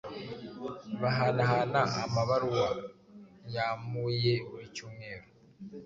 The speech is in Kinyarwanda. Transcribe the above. Bahanahana amabaruwa, yamuuye buri cyumweru,